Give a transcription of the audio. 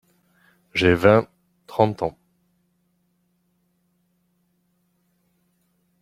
J’ai vingt, trente ans.